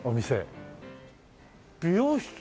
美容室？